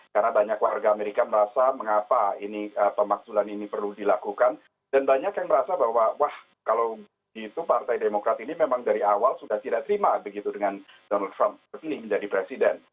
karena banyak warga amerika merasa mengapa pemaksulan ini perlu dilakukan dan banyak yang merasa bahwa wah kalau begitu partai demokrat ini memang dari awal sudah tidak terima begitu dengan donald trump terpilih menjadi presiden